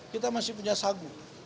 kita masih punya sagu